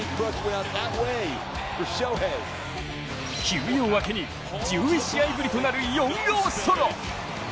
休養明けに、１１試合ぶりとなる４号ソロ。